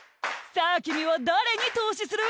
さあきみはだれに投資する？